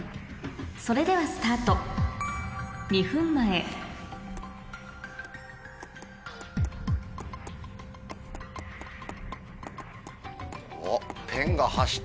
それではスタート２分前おっ！